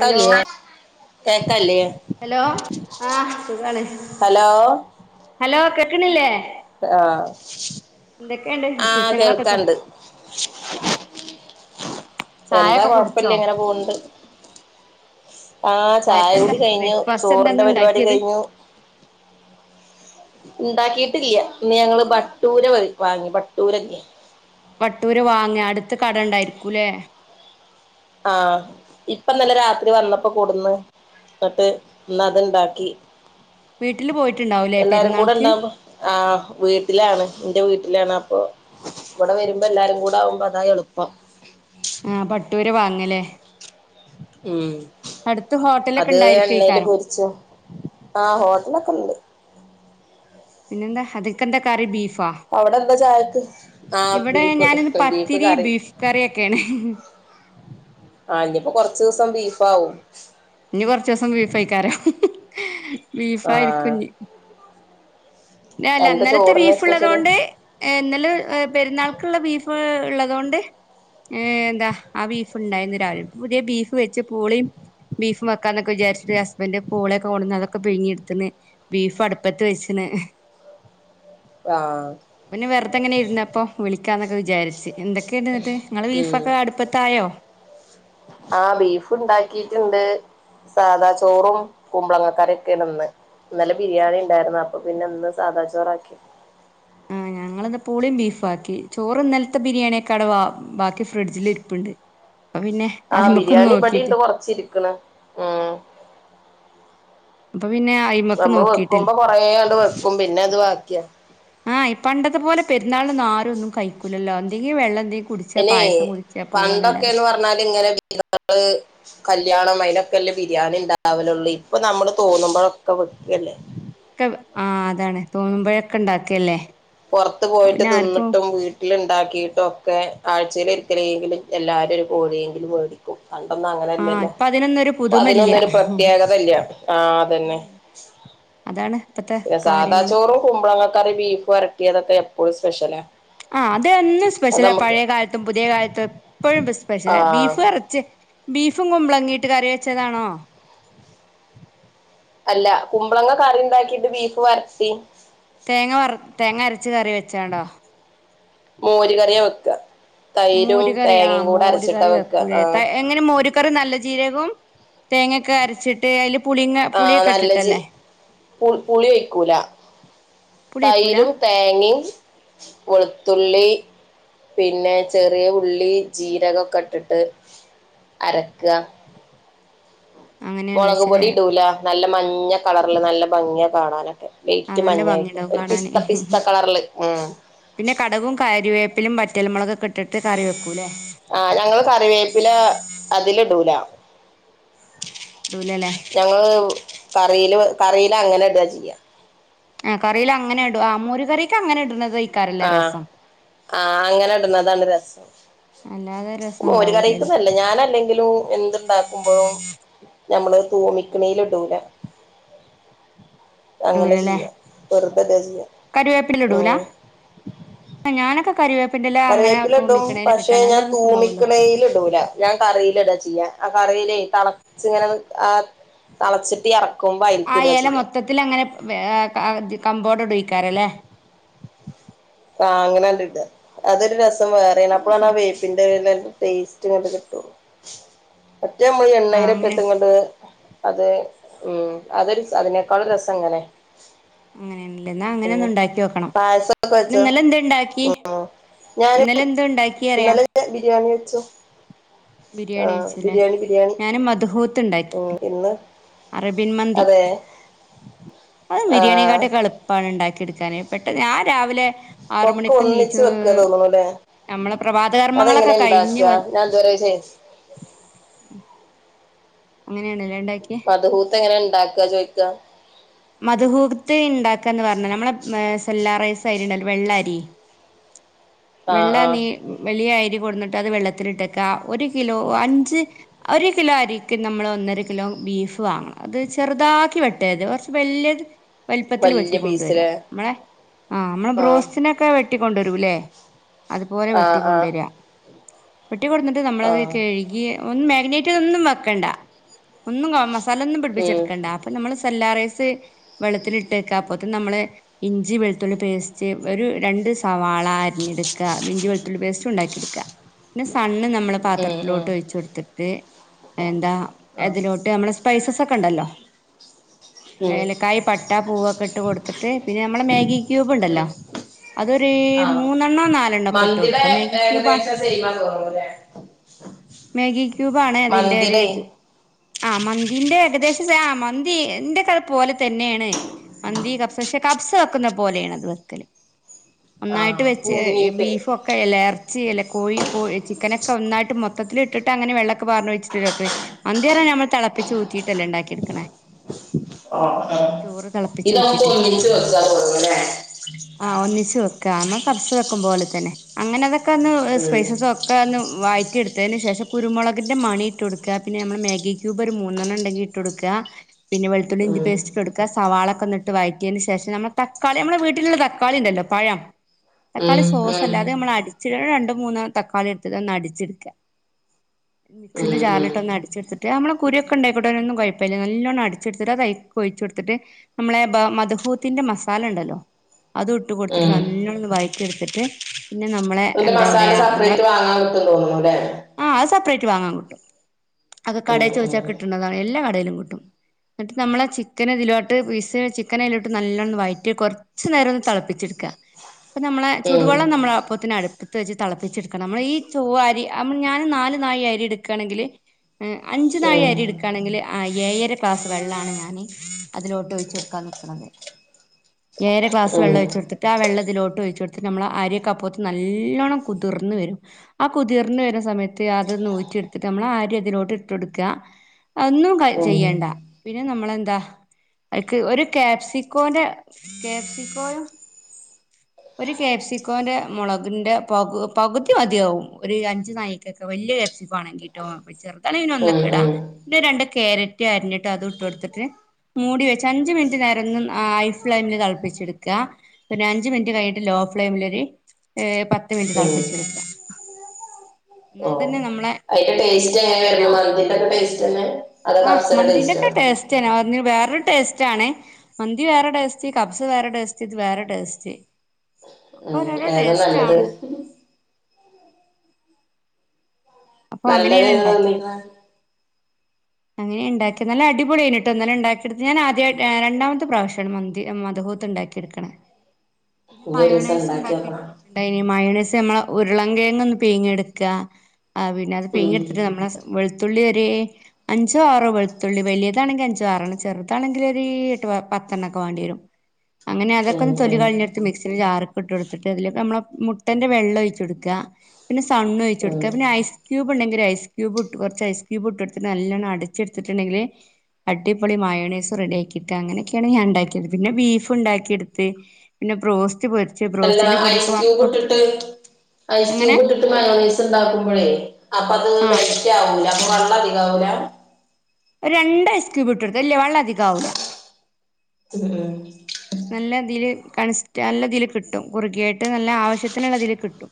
Hello തല്ലേ കേക്കാല്യ hello ആഹ് സുഖണ് ഹലോ ഹലോ കേക്കണില്ലേ ആഹ് എന്തൊക്കെയുണ്ട് ആഹ് വിശേഷങ്ങളൊക്കെ കേൾക്കാണ്ട് എന്താ ചായൊക്കെ കൊഴപ്പില്ല കുടിച്ചോ ഇങ്ങനെ പോണ്ട് ആഹ് ചായ ചായക്കെന്താ കുടി കഴിഞ്ഞു ബ്രേക്ക്ഫാസ്റ്റ് ചോറിന്റെ എന്താന്ന് പരിപാടി ഉണ്ടാക്കിയത് കഴിഞ്ഞു ഉണ്ടാക്കിട്ടില്യ ഇന്ന് ഞങ്ങൾ ബട്ടൂര വാങ്ങി ബട്ടൂരല്യേ ബട്ടൂര വാങ്ങിയ അടുത്ത് കട ഉണ്ടായിരിക്കൂല്ലേ ആഹ് ഇപ്പന്നല്ല രാത്രി വന്നപ്പോ കൂടന്ന് എന്നിട്ട് ഇന്ന് അതുണ്ടാക്കി വീട്ടില് പോയിട്ടുണ്ടാവൂലേ എല്ലാരും കൂടെ പെരുന്നാൾക്ക് ഇണ്ടാവു പോ ആഹ് വീട്ടിലാണ് എൻ്റെ വീട്ടിൽ ടിലാണ് അപ്പൊ ഇവിടെ വരുമ്പോ എല്ലാരും കൂടെ ആകുമ്പോ അതാ എളുപ്പം ആഹ് ബട്ടൂര വാങ്ങലേ ഉം ഹോട്ടലൊക്കെ അത് എണ്ണേൽ ഉണ്ടായിരിക്കുംക്കാരം പൊരിച്ചു ആഹ് ഹോട്ടലൊക്കെ ഉണ്ട് പിന്നെന്താ അതിൽ ക്കെന്താ കറി ബീഫ് ആഹ് അവിടെ എന്താ ചായക്ക് ആഹ് ഇവിടെ ബീഫ് ഞാനിന്ന് ബീഫ് പത്തിരി കറി ബീഫ് കറി ഒക്കെയാണ് ആ ഇനിപ്പോ കൊറച്ചു ദിവസം ബീഫാവും ആഹ് ബീഫായിരിക്കുംഞ്ഞി ല്ല ല്ല എന്താ ഇന്നലത്തെ ചോറിന് ബീഫ് സ്പെഷ്യല് ഉള്ളതുകൊണ്ട് ഇന്നലെ പെരുന്നാൾക്കുള്ള ബീഫ് ഉള്ളതൊണ്ട് എന്താ ആ ബീഫ് ഉണ്ടായിുന്നും പുതിയ ബീഫ് വെച്ച് പോളിയും ബീഫ് വെക്കാന്നൊക്കെ വിചാരിച്ചിട്ട് ഹസ്ബൻഡ് പൂളെൊക്കെ കൊണ്ട്ന്ന് അതൊക്കെ പിഴങ്ങി എടുത്ത്ണ് ബീഫ് അടുപ്പത്ത് വെച്ചിണ് ആഹ് പിന്നെ വെറുതെ ഇങ്ങനെ ഇരുന്നപ്പൊ വിളിക്കാന്നൊക്കെ വിചാരിച്ച് എന്തൊക്കെയ ഇണ്ട എന്നിട്ട് നിങ്ങള് ഉം ബീഫൊക്കെ അടുപ്പത്തായോ ആഹ് ബീഫ് ഉണ്ടാക്കീട്ടുണ്ട് സാദാ ചോറും കുമ്പളങ്ങാക്കറീക്കെ ആണിന്ന് ഇന്നലെ ബിരിയാണി ഉണ്ടായിരുന്നു അപ്പൊ പിന്നെ ഇന്ന് സാദാ ചോറാക്കി ഉം ഞങ്ങളിന്ന് പൂളേം ബീഫും ആക്കി ചോറും ഇന്നലത്തെ ബിരിയാണിയൊക്കെ അവടെ ബാക്കി ഫ്രിഡ്ജിൽ ഇരിപ്പുണ്ട് പിന്നെ ആഹ് അതിമുക്ക ബിരിയാണി ഇബടിണ്ട് നോക്കിട്ട് കൊറച്ചിരിക്കണ് അപ്പൊ പിന്നെ അയിമക്ക് നമ്മൾ നോക്കിട്ടില്ല വെക്കുമ്പോ കൊറേയങ്ങട് വെക്കും പിന്നെ അത് ബാക്കിയാ ആഹ് പണ്ടത്തെ പോലെ പെരുന്നാളിനൊന്നും ആരും ഒന്നും കയിക്കക്കൂല്ലല്ലോ എന്തെങ്കിലും വെള്ളം എന്തെലും പിന്നെ പണ്ടൊക്കെന്ന് പറഞ്ഞാല് ഇങ്ങനെീ [inaudible] കല് കല്യാണം അതിനൊക്കെല്ലേ ബിരിയാണി ഉണ്ടാവലുള്ളൂ ഇപ്പൊ നമ്മള് തോന്നുമ്പോഴൊക്കെ വെക്കല്ലേ ഒക്കെ ആഹ് അതാണ് തോന്നുമ്പോഴൊക്കെ ഉണ്ടാക്കിയല്ലേ പുറത്ത് പോയിട്ട് തിന്നിട്ടും വീ ഉണ്ടാക്കിയിട്ടൊക്കെ ആഴ്ചയിൽ ഒരിക്കലെങ്കിലും എല്ലാരും ഒരു കോഴിയെങ്കിലും മേടിക്കും പണ്ടൊന്നും ആഹ് അങ്ങനല്ലല്ല ഇപ്പൊ അതിനൊന്നൊരു ഇപ്പൊ പുതുമല്ല അതിനൊന്നരു പ്രത്യേകത ഇല്ല ആ അതന്നെ അതാണ് ഇപ്പത്തെ പിന്നെ സാദാ കാര്യങ്ങള് ചോറും കുമ്പളങ്ങക്കറി ബീഫ് വരട്ടിയതൊക്കെ എപ്പോഴും സ്പെഷ്യലാ ആ അതെന്നും അത് സ്പെഷ്യല നമുക്ക് പഴയ കാലത്തും പുതിയ കാലത്തും എപ്പോഴും സ്പെഷ്യല ആ ബീഫ് കുറച്ച് ബീഫും കുമ്പളങ്ങീയിട്ട് കറി വെച്ചതാണോ അല്ല കുമ്പളങ്ങ കറി ഉണ്ടാക്കിട്ട് ബീഫ് വരത്തി തേങ്ങ വറുത്ത് തേങ്ങ അരച്ച കറി വെച്ചാണ്ടോ മോര് കറിയാ വെക്ക്വ മോരു കറി ആ മോരുകറി വെക്ക വെക്കൂല ഇത്താ ആഹ് എങ്ങനെ മോര് ക്കറി [unintelligible] നല്ല ജീരകവും തേങ്ങൊക്കെ അരച്ചിട്ട് അതി ആഹ് നല്ല ജ്ജ് പു പുളി വെക്കൂല പുളി വെക്കൂല തൈരും തേങ്ങയും വെളുത്തുള്ളി പിന്നെ ചെറിയ ഉള്ളി ജീരകൊക്കെ ഇട്ടിട്ട് അരക്കുക അങ്ങനെയാണ് വെച്ചതേ നല്ല മഞ്ഞ കളറില് നല്ല ഭംഗിയ കാണാനൊക്കെ ആ വെറ്റ് നല്ല മഞ്ഞായിട്ട് ഭംഗിയുണ്ടാവും ഒരു കാണാന് പിസ്ത പിസ്ത കളറില് ഉ എപ്പിലുംറ്റൽ മുളൊക്കെ ഇട്ട് കറി വെക്കൂല്ലേ ആഹ ഞങ്ങള് കറിവേപ്പില അതില ഇടൂല ഇടൂലല്ലേ ഞങ്ങള് കറിയില് കറിയില അങ്ങനെ എടുതാ ചെയ്യാ ആ കറിയിോ അങ്ങെ ഇട ആ മോര് കറിക്ക അങ്ങനെ ഇടുന്നത് ഇക്കാരല്ലേ ആഹ രസം ആഹ അങ്ങനെ ഇടുന്നതാണ് രസം അല്ലാതെ രസം മോര് ഉണ്ടാവൂലല്ലോ കറിക്കുന്നല്ല ഞാനല്ലെങ്കിലും എന്ണ്ടാക്കുമ്പോഴും നമ്മള് തൂമിക്കണല ഇടൂരാ അങ്ങനെ ഇടൂലല്ലേ ചെയ്യാ വെറുതെതാ ചെയ്യാ കരുവേപ്പില ഉ നക്ക കറിവേപ്പില ഇടും പക്ഷെ ഞാൻ രസം ഉണ്ടാവുമല്ലോ തൂമിക്കടൽ ഇടൂല ഞാൻ കറിൽ ഇടാ ചെയ്യാ ആ കറിയില തിളച്ചിങ്ങനെ തിളച്ചിട്ടി ഇറക്ക ആ ഇല മൊത്തത്തിൽ അങ്ങനെ കമ്പോഡടുഴിക്കാറല്ലേ ആ അങ്ങനെ ഇ അതൊരു രസം വേറെണപ്പഴാണ് ആ രസണ്ട് വേപ്പിന്റെ ടേസ്റ്റ് ഇങ്ങ കിട്ട മറ്റേ മുള ആഹ് എണ്ണനൊക്കെ അങ്ങനെ ഇട്ടും ഇങ്ങോട്ട് അത് ഉം അതൊരു അതിനേക്കാൾ രസം എങ്ങനെ അങ്ങനെയല്ലേ എന്നാ അങ്ങനെയ ഒന്ന ഉണ്ടാക്കി വെക്കണം പായസൊക്കെ വെച്ചോ ഇന്നലെ എന് ഇണ്ടാക്കി ഇന്നലെ എന്ത ഉണ്ടാക്കി അറിയാം ാന വെച്ചു ബിരിയാണി ആഹ് അച്ചുല്ലേ ബിരിയാണി ബിരിയാണി ഞാനൻ മധുഹൂത്ത്ണ്ടാക്കി ഉം ഇന്ന് അറബിൻ മതി അതെ അത് ബിരിയാണിയ ആഹ് കാാട്ടെളുപ്പാണ് ഉണ്ടാക്കി എടുക്കാാന് പട്ട് ഞാൻ രാവിലെ രാവിലെ ആറ ഒക്കെ മണക്ക് നീച്ച ഒന്നിച്ച് വെക്കാ തോന്നുണുല്ലേ നമ്മള് അതെങ്ങനെ പ്രഭാതകർമ്മങ്ങളൊക്കെ കഴിഞ്ഞു ഇണ്ടാക്കാ ഞാൻ ഇതുവരെ ചെയ് അങ്ങനെയാണല്ലേ മധഭൂത്ത് എങ്ങനെ ഉണ്ടാക്കുക ചോയ്ിക്കാ മധുഹൂത്തി ഉണ്ടാക്കാ എന്ന് പറഞ്ഞ നമ്മളെ സെല്ലാറ വെ വെ ന വ വെ ആഹ് ആഹ് ക അ ക അ നമ്മോ ബീഫ് വാങ്ങണം അത് ചെറുതാക്കി വെട്ടേത് വല വലല്പ്പത്തിൽ വല്യ വെട്ടണ്ടുവരാ പീസിലേ നമ്മളെ ആ നമ്മെ ആഹ് ബ്രോസ്റ്റിനൊക്കെ വെട്ടിക്കൊണ്ടുവരൂല്ലേ അതുപോലെ ആഹ് ആഹ് വെട്ടിക്കൊണ്ടുവരി വെട്ടിിക്ക കൊടുത്തിിട്ട് നമ്മളത് ആഹ് കഴുകി ഒന്നും മാഗ്നേറ്റ ഒന്നും വെക്കണ്ട ഒന്നും സ്ഥൊും ഉം പിടിപ്പിച്ചെടുക്കണ്ട അപ്പ നമ്മള് സെല്ലാറ വെ നമ്മ ഇഞ്ചി വെളുത്തുള്ളി പേ സവാള അരിഞ്ഞെടുക്കുക ഇിഞ്ച വളുത്തുള്ളി പേസ്റ്റ ഉണ്ടാക്കിയെടുക്കുക പിന്നെ സണ്ണ് നമ്മള് ഉം ഉം പാത്രത്തിലോട്ട് ഒഴിച്ച കൊടുത്തിട്ട് എന്താ ആഹ് അതിോട്ട് നമ്മള സ്പൈസസ ഒക്കെ ഉണ്ടല്ലോ ഉം ഏലക്കായ പട്ട പൂവൊക്കെ ഇട്ട് കൊടുത്തിട്ട് പിന്നെ നമ്മളെ മാഗി ക്യൂബ് ഉം ഉണ്ടല്ലോ അതൊരു ആഹ് മൂന്നെണ്ണോ നാലെണ്ണമോ ഒക്കെ ഇട്ട് മന്തിടെ കൊടുക്ക മേഗി ക്യൂബാ ഏകദേശം സെയിമാ തോന്നൂല്ലേ മേഗി ക്യൂബ് ആാണ് അതിന്റെ മന്തിടെ ഒത് ആ മന്തിറെ ഏകദേശം ആ മന്തി എന്റെ ക പോലെ തന്നെയാണ് മന്തി ക കബ്സ് വെക്കുന്ന പോലെയാണ് അത് വെക്കല് നന്നായിട്ട് ആഹ് വെച്ച് പുഴുങ്ങീട്ട് ബീഫൊക്കെ അല്ല ഇറച്ചില്ല കോഴി കോ ചിക്കനൊെ ഒന്നായിട്ട് മൊത്തത്തില ഇട്ട് അങ്ങനെൊെ പറഞ്ഞു വച്ചിട്ട്െ അന്യേറ ഞമ്മൾ തിപ്പച്ച് ഊറ്റീട്ടല്ലേ ഉണ്ടാക്കിടുണേ [inaudible] ആ ആ ഇത്മുക്ക് ഒന്നിച്ച് വച്ചാ പോറവൂല്ലെ ആഹ ഒന്നിച്ചു വെക്കമ്മ കബ്സ വെക്ക പോലെ തന്നെ അങ്ങനെ അതൊക്കെ ഒന്ന് സ്പേസ ഒക്കെ ഒന്ന് വായി എടുത്തന് ശേഷം കുരുമുളകിന്റെ മണി ഇട്ട കൊടുക്കുക പിന്നെ നമ്മള് മാഗി ക്ൂബ് ഒരു മൂെണ്ണം ഉണ്ടെങ്കി ഇട്ട് കൊടുക്ക പിന്നെ പുളിയിഞ്ചി ഉം പേസ്റ്റ് ഇട്ട് കൊടുക്കാം സവാളൊക്കെ നിട്ട് വയറ്റിയതിന് ശേഷം നമ്മൾ തക്കാളി നമ്മുടെ വീട്ടിലുള്ള തക്കാളി ഉണ്ടല്ലോ പഴം തക്കാളി ഉം സോസസ് ഉം അല്ലാതെ നമ്മൾ അടിച്ച രണ്ടും മൂന്ന തക്കാളി എടുത്തിട്ട് ഒന്ന് അടിച്ചെടുക്ക മിക്സിന്റെ ഉം ജാറിലിട്ട് ഒന്ന് അടിച്ചെടുത്തിട്ട് അ നമ്മള് കുരു ഒക്കെ ഉണ്ടായിക്കോട്ടെ ഒന്ന കുഴപ്പമില്ല നല്ലോണംടിച്ചെടുത് [unintelligible] ഒഴിച്ച കൊടുത്തിട്ട് നമ്മളെ മധഹൂത്തിന്റെ മസാല ഉണ്ടല്ലോ അത് ഇട്ട് ഉം ഉം കൊടുത്തിട്ട് ഉം നല്ല വഴറ്റി എടുത്തിട്ട് പിന്നെ നമ്മളെ ഇതിന്റെ എന്താ മസാല പറയ നമ്മെ സെപ്പറേറ്റ് വാങ്ങാൻ കിട്ടും തോന്നുന്നുല്ലേ ആ അത് സെപ്പറേറ്റ് വാങ്ങാൻ കൊട്ടും അത് ഉം കടയിൽ ഉം ചോദിച്ചാൽ കിട്ടണതാണ് എല്ലാ കടയിലും കിട്ടും എന്നിട്ട് നമ്മളെ ചിക്കന് ഇതിലോട്ട് പീസ് ആക്കി ചിക്കന ഇതിലോട്ട് നല്ലോണം വൈറ്ററ്റ് കുറച്ചു നേരം ഒന്ന് തിളപ്പിച്ചെടുക്കാം അപ്പ നമ്മളെ ഉം ചൂടുവെള്ളം നമ്മളെപ്പത്തിനടു അടുത്ത് വെച്ച് തിളപ്പിച്ചെടുക്കണം നമ്മള് ഈ ചോറ് അരി ഞാൻ നാ നായ അരി എടുക്കുകയാണെങ്കില് അഞ്ചു നാ ഉം അരി എടുക്കുകയാണെങ്കിൽ ആ ഏ ഏഴര ക്ലാസ്സ് വെള്ളാണ് ഞാന് അതിലോട്ട് വച്ച് കൊടുക്കാൻ വെക്കണത് ഏറെ ഗ്ലാസ് ഉം വെള്ള ഒഴിച്ചു കൊടുത്തിട്ട് ആ വെള്ളത്തിലോട്ട് ഒഴിച്ചെടുട്ട് നമ്മൾ ആ അരിയക്കെപ്പോകത്ത് നല്ലോണം കുതിർ കുതിർന്ന വരും ആ കുതിർന്ന വരുന്ന സമയത്ത് അത് ഊറ്റി എടുത്തിട്ട് നമ്മള ആ അരി അതിലോട്ട് ഇട്ട് കൊടുക്കുക ഒന്നും ക ഉം ചെയ്യണ്ട പിന്നെ നമ്മളെന്താ ഒരു കാപ്സിക്കോന്റെ കാപ്സിക്കോ ഒരു കാപ്സിക്കോന്റെ മുളകിന്റെ പകു പകുതി മതിയാവും ഒരു അഞ്ചു നായിക്കൊക്കെ വലിയ ണെങ്കിട്ടോ ചെറു അല്ലെ ഇന ഉം ഒന്നൊക്കെ ഉം ഇടാന്റെ രണ്ട് ക്യാരറ്റ് അരിഞ്ഞിട്ട് അത് ഇട്ടു കൊടുത്തിട്ട് മൂടി വെച്ച് അഞ്ച് മിനിറ്റ് നേരം ഒും ഐഫ ഫ്ലൈമില് തിളപ്പിച്ചെടുക്കുക ഒരു അഞ്ച് മിനിറ്റ് കഴിഞ്ഞിട്ട് ലോ ഫ്ലെയിമിൽൊ ഒരു പത്ത് മിനിറ്റ് ഉം തിളപ്പിച്ച് എടുക്കാം എന്നാതന്നെ നമ്മ അതിന്റെ ടേസ്റ്റ് എങ്ങനെയായിരുന്നു മന്തി ടേസ്റ്റ് തന്നെ ആഹ് മന്തിന്റെ ടേസ്റ്റ് തന്നെയായിരുന്നു ടേസ് വേറൊരു ടേസ്റ്റ് ആണേ മന്തി വേറെ ടേസ്റ്റ് കബ്സസ് വേറെ ടേസ്റ്റ് ഇത് വേറെ ടേസ്റ്റ് ഒക്കെ ഉം രോരോ ഏതാ ടേസ്റ്റ് നല്ലത് ആണ് അപ്പൊ നല്ലത് അങ്ങനെയാണ് ഏതാ ഉണ്ടാക്കിയത് തോന്നിയിരുന്നു അങ്ങനെ ഉണ്ടാക്കിയ നല്ല അടിപൊളി കഴഞ്ഞിട്ട് ഒന്നാലും ഉണ്ടാക്കിയെടുത്ത് ഞാൻ ആദ്യ രണ്ടാമത്തെ പ്രാവശ്യമാണ് മന്തി. മ മദഹൂത്ത ഉണ്ടാക്കിയെടുക്കണ പിന്നെ ഇനി ഒരുസം മയോണൈസ് ഉണ്ടാക്കി നോക്കണം എടുത്തിട്ടുണ്ട മയോണിസ് നമ്മ ഉരുളക്കിഴങ്ങ് ഒന്ന് പിഴിഞ്ഞെടുക്കുക അത് ഉം പിഴിഞ്ഞെടുത്തിട്ട് വെളുത്തുള്ളി [unintelligible] അഞ്ചോ ആറോ വെളുത്തുള്ളി വലിയതാണെങ്കിൽ അഞ്ചോ ആറണ്ണ ചെറുതാണെങ്കിൽ ഒരു എട്ട് പത്തെണ്ണ ഒക്ക വേണ്ടി വരും അങ്ങനെ അതൊക്കെ ഉം ഒന്ന് തൊലി ഉം കളിഞ്ഞെടുത്ത് മിക്സി ജാറും ഇട്ട് കൊടുത്തിട്ട് അതിലൊക്കെ നമ്മ മുട്ടന്റെ വെള്ളം ഒഴിച്ച കൊടുക്കുക പിന്നെ സണ് ഒഴിച്ചു ഉം കൊടുക്കുക പിന്നെ ഐസ്ക്യൂബ് ഇ ഉണ്ടെങ്കിൽ ഐസ് ക്യൂബ് കുറച്ച് ഐസ് ക്യൂബ് ഇട്ട്ടു നല്ലണം അടച്ചെടുത്തിട്ടുണ്ടെങ്കില് അട്ടടിപ്പൊളി മായോണേസം റെഡിയ ആാക്കിയിട്ട് അങ്ങനെയൊക്കെയാണ് ഞാൻ ഉണ്ടാക്കിയത് പിന്നെ ബീഫ് ഉണ്ടാക്കിയെടുത്ത് പിന്നെ പ്രോസ്റ്റ് അല്ല ഐസ്ക്യൂബ് ഇട്ടിട്ട് ഐസ് അങ്ങനെ ക്യൂബ് ഇട്ടിട്ട് മനോനീസ് ഉണ്ടാക്കുമ്പോഴേ അപ്പ അത് ആ മെൽറ്റ് ആവൂല വള്ള അധിക ആവല ഒരു രണ്ടയസ് ക്യൂബിട്ട എടുത്ത അല്ലേ വെള്ളം അധിക ആവൂല ഉം നല്ല ഇതിൽ കണി നല്ലതില് കിട്ടും കുറുകിയായിട്ട് നല്ല ആവശ്യത്തിനുള്ള ഇതിൽ കിട്ടും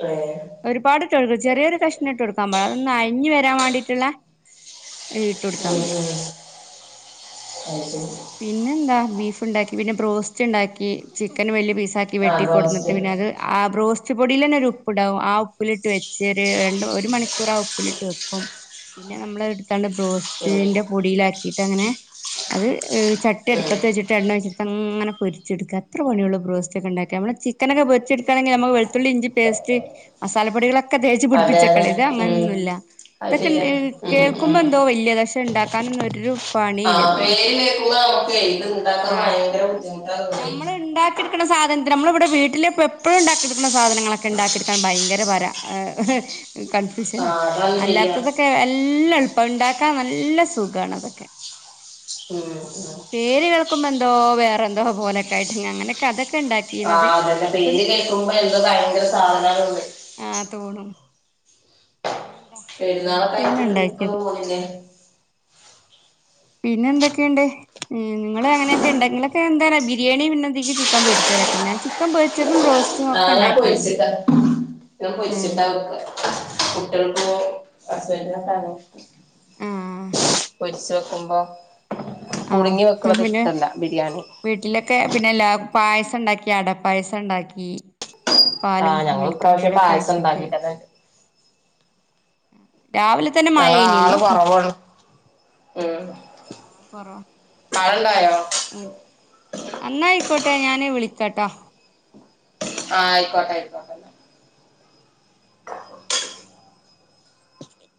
അ ഒരുപാട് ചെറുത് ചെറിയ ഒരു കഷ്ണം ഇട്ടു കൊടുക്കാൻ ഇട്ട് കൊടുക്കാൻ പാടുള്ളൂ അതൊന്നും അഴഞ്ഞു വരാൻ വേണ്ടിട്ടുള്ള ഇട്ടുകൊടുത്താ ഉം മതി ഉം അത് ശരി പിന്നെ എന്താ ബീഫ് ഉണ്ടാക്കി പിന്നെ ബ്രോസ്റ്റ് ഉണ്ടാക്കി ചിക്കൻ വലിയ പീസ് തട്ടി ആഹ് വെട്ടി ബ്രോസ്റ്റ് കുടഞ്ഞിട്ട്പിന്നെത്ആ ബോ കുച്ചുപ്പൊടിൽ തന്നെ ഒരു ഉപ്പ് ഇടാവും ആ ഉപ്പിലിട്ട് വെച്ച് ഒരു ര ഒരു മണിക്കൂർ ആ ഉപ്പിലിട്ട് വെക്കും പിന്നെ നമ്മള് എടുത്താണ്ട് ഉം ബ്രോസ്റ്റന്റെ പൊടിയിലാക്കിട്ട് അങ്ങനെ അത് ചട്ടി ഉം അടുപ്പത്ത് വെച്ചിട്ട് എണ്ണം വെച്ചെടുത്ത് അങ്ങനെ പൊരിച്ചെടുക്കുക അത്ര പണിയുള്ള ബ്രോസ്റ്റ ഒക്കെ ഉണ്ടാക്കി നമ്മള് ചിക്കനൊക്കെ വെച്ച്െടുക്കുകണെങ്കിൽ നമു വെളത്തുള്ളി ഇഞ്ച പേസ്റ്റ് മസാലപ്പൊടികളക്കെ ഒക്കെ തേച്ചച്ച് അതെ അതെ പിടിപ്പിച്ചക്കട ഇത് ഉം അങ്ങനെയൊന്നുമ ഇല്ല അത് ഇതൊക്കെ ശരിയാ ഉം ഉം ഉം കേൾക്കുമ്പോ എന്തോ വലിയ കശം ഉണ്ടാക്കാനൻൊന്നരു പണിയില്ലേ തോന്നുന്നു നമുക്ക് ഇത് ഇണ്ടാക്കാ ഭയങ്കര ബുദ്ധിമുട്ടാ തോന്നി സാധനത്തി നമ്മളിവിടെ വീട്ടില എപ്പോഴും ഉണ്ടാക്കിെടുക്കുന്ന സാധനങ്ങളൊക്കെ ഉണ്ടാക്കിെടുക്കാൻ ഭയങ്കരരാ് കൺഫ്യൂഷന ആഹ് അതാണ് ശരിയാ അല്ലാത്തതൊക്കെ എല്ല ഇപ്പ ഇണ്ടാക്കാ നല്ല സുഖണ അതൊക്കെ ഉം ഉം പേര് കേൾക്കുമ്പോ എന്തോ വേറെ എന്തോ പോലൊക്കെ ആയിട്ട് അങ്ങനൊക്കെ അതൊക്കെ ഉണ്ടാക്കി അതെന്റെ പേര് കേൾക്കുമ്പോ എന്താ ഭയങ്കര സാധനങ്ങളുണ്ട് ആ തോണും പിന്നെന്താ പെരുന്നാള കയറ്റ അങ്ങനെയൊക്കെയാണ് ട്രിപ്പ് ഇണ്ടാക്കിയത് ഒന്നന്ന് പോന്നില്ലേ പിന്നെ എന്തൊക്കെയുണ്ട് നിങ്ങള് അങ്ങനെയൊക്കെ ഉണ്ട് നിങ്ങളൊക്കെ എന്ത ബിരിയാണി പിന്നെന്തെങ്കക്ക് ചിക്കൻ പൊരിച്ചതൊെന്നെ ചിക്കൻ പൊരിച്ചതും ോ ആഹ ഞാൻ പൊരിച്ചിട്ടാ ഞാൻ പൊരിച്ചിട്ടാ കുട്ടികൾക്ക് അ സന്ന ആഹ് പൊരിിച്ചു വെക്കുമ്പോൾ ആഹ പിന്നെ ബിരിയാണി വീട്ടിലൊക്കെ പിന്നെല്ല പായസ പസ ഉണ്ടാക്കി അടപ്പായസം ഉണ്ടാക്കി പാലും ആഹ് ഞങ്ങൾ മിൽക്കും ഇപ്രാവശ്യം വീടൊക്കെ പായസം ഒഴിച്ചിട്ട് ഉണ്ടാക്കിട്ടന്നെ രാവിലെ തന്നെ മായനല്ലോ മ് നള്െ കൊറോ തഴെണ്ടായോ അ അന്നായിക്കോട്ടെ ഞാന് വിളിക്കാട്ടോ ആഹ ആയിക്കോട്ടെ ആയിക്കോട്ടെല്ല